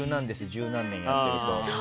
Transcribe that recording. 十何年やってると。